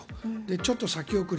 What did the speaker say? ちょっと先送り。